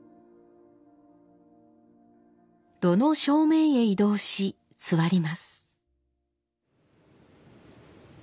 炉の正面へ移動し座ります。